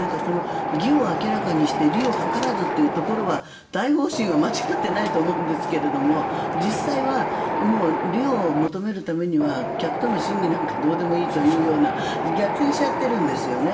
義を明らかにして利を計らずというところは大方針は間違っていないと思うんですけれども実際は利を求めるためには客との信義なんかどうでもいいというような逆転しちゃってるんですよね。